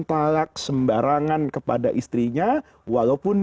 talak sembarangan kepada istrinya walaupun